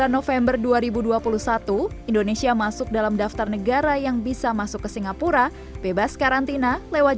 november dua ribu dua puluh satu indonesia masuk dalam daftar negara yang bisa masuk ke singapura bebas karantina lewat